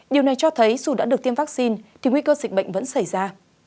điều này cho thấy dù đã được tiêm vaccine thì nguy cơ dịch bệnh vẫn xảy ra